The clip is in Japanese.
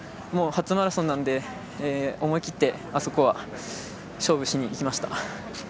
初マラソンなので思い切って、あそこは勝負しにいきました。